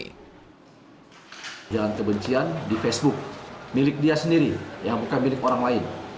ujaran kebencian di facebook milik dia sendiri yang bukan milik orang lain